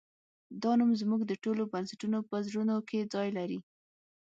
دا نوم زموږ د ټولو پښتنو په زړونو کې ځای لري